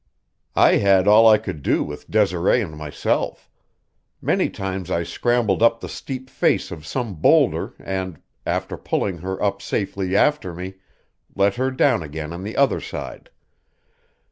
I had all I could do with Desiree and myself. Many times I scrambled up the steep face of some boulder and, after pulling her up safely after me, let her down again on the other side.